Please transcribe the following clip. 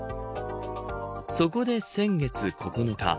そこで、先月９日